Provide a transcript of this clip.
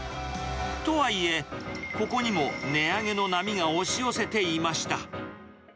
とはいえ、ここにも値上げの波が押し寄せていました。